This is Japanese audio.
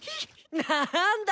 なぁんだ！